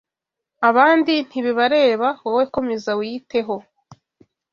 abandi ntibibareba wowe komeza wiyiteho